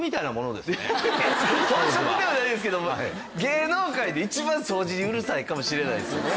本職ではないですけども芸能界で一番掃除にうるさいかもしれないですよね。